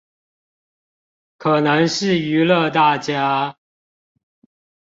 可能是娛樂大家